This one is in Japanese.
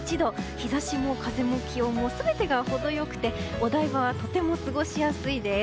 日差しも風も気温も全てが程良くてお台場はとても過ごしやすいです。